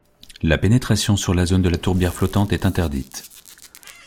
La pénétration sur la zone de la tourbière flottante est interdite.